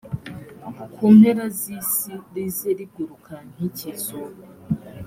ku mpera z’isi, rize riguruka nk’ikizu: